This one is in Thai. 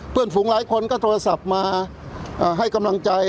ฝูงหลายคนก็โทรศัพท์มาให้กำลังใจ